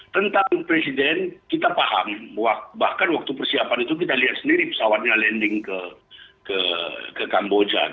tentang presiden kita paham bahkan waktu persiapan itu kita lihat sendiri pesawatnya landing ke kamboja